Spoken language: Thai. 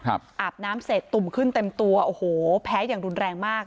อาบน้ำเสร็จตุ่มขึ้นเต็มตัวโอ้โหแพ้อย่างรุนแรงมาก